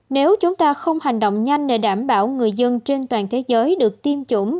nếu chúng ta không hành động nhanh để đảm bảo người dân trên toàn thế giới được tiêm chủng